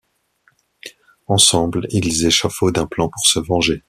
Ensemble, ils échafaudent un plan pour se venger.